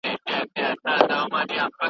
زما د زړه دښتې ګله